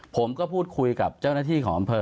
ผมก็พูดคุยกับเจ้าหน้าที่ของอำเภอ